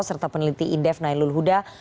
serta peneliti indef nailul huda